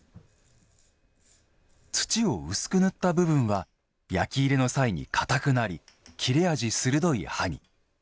土を薄く塗った部分は焼き入れの際に硬くなり、切れ味鋭い刃に。